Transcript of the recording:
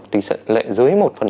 tỷ lệ dưới một